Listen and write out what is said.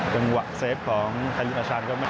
จังหวะเซฟของคาลิปอาชาร